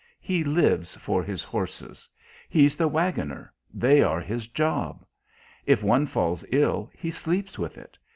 He lives for his horses; he's the "Waggoner," they are his "job;" if one falls ill, he sleeps with it.